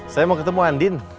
saya mau ketemu andin